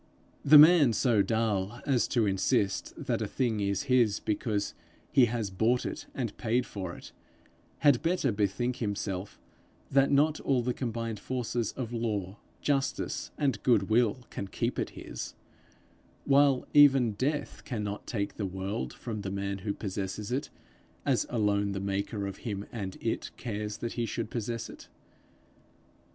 The man so dull as to insist that a thing is his because he has bought it and paid for it, had better bethink himself that not all the combined forces of law, justice, and goodwill, can keep it his; while even death cannot take the world from the man who possesses it as alone the maker of him and it cares that he should possess it.